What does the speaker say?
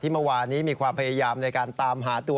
เมื่อวานี้มีความพยายามในการตามหาตัว